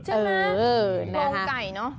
โครงไก่เนาะ